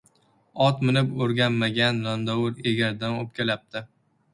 • Ot minib o‘rganmagan landovur egardan o‘pkalabdi.